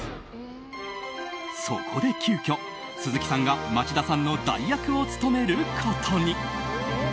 そこで急きょ、鈴木さんが町田さんの代役を務めることに。